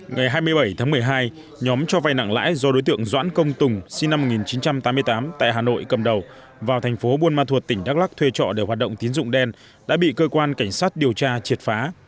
ngày hai mươi bảy tháng một mươi hai nhóm cho vay nặng lãi do đối tượng doãn công tùng sinh năm một nghìn chín trăm tám mươi tám tại hà nội cầm đầu vào thành phố buôn ma thuột tỉnh đắk lắc thuê trọ để hoạt động tín dụng đen đã bị cơ quan cảnh sát điều tra triệt phá